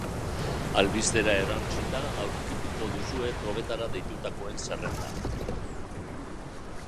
Albistera erantsita aurkituko duzue probetara deitutakoen zerrenda.